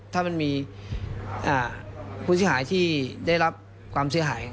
ถ้ามันมีผู้เสียหายที่ได้รับความเสียหาย